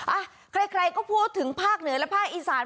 อ่ะใครก็พูดถึงภาคเหนือและภาคอีสาน